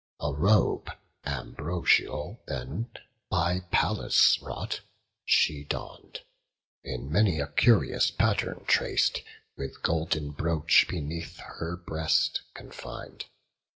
A robe ambrosial then, by Pallas wrought, She donn'd, in many a curious pattern trac'd, With golden brooch beneath her breast confin'd.